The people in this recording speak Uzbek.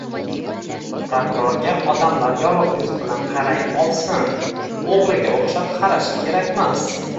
Prokurorga odamlar yorugʻ yuz bilan qaray olsin, oʻgʻriga oʻxshab qarashi kerakmas.